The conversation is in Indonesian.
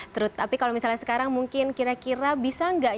terus tapi kalau misalnya sekarang mungkin kira kira bisa nggak